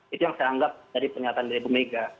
itu yang saya anggap dari pernyataan dari bu mega